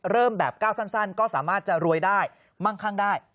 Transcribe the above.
เริ่มแบบก้าวสั้นก็สามารถจะรวยได้มั่งคั่งได้